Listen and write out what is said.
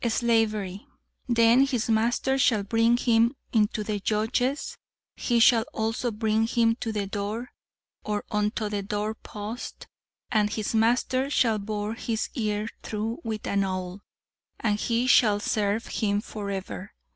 "Slavery. 'Then his master shall bring him unto the judges; he shall also bring him to the door, or unto the doorpost, and his master shall bore his ear through with an awl; and he shall serve him forever.'